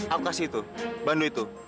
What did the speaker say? aku kasih itu bandu itu